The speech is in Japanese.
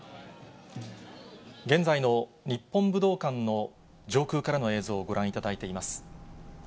現在の日本武道館の上空からの映像をご覧いただいています。